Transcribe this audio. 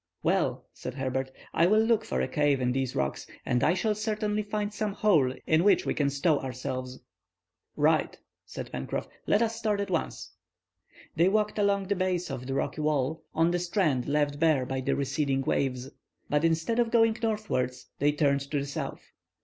"Well," said Herbert, "I will look for a cave in these rocks, and I shall certainly find some hole in which we can stow ourselves." "Right," said Pencroff; "let us start at once." They walked along the base of the rocky wall, on the strand left bare by the receding waves. But instead of going northwards, they turned to the south.